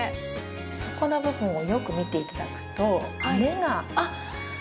底の部分をよく見ていただくと根が見えますか？